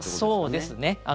そうですね。